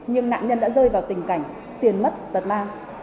nhưng nạn nhân đã rơi vào tình cảnh tiền mất tật mang